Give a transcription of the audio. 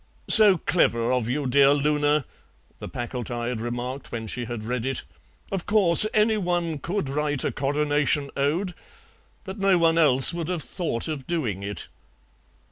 'So clever of you, dear Loona,' the Packletide remarked when she had read it; 'of course, anyone could write a Coronation Ode, but no one else would have thought of doing it.'